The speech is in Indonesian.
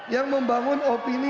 yang membangun opini